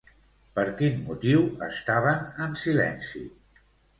Per quin motiu estaven en silenci?